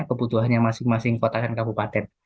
kebutuhannya masing masing kota dan kabupaten